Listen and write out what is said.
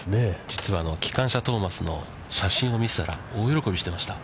実は、機関車トーマスの写真を見せたら大喜びしてました。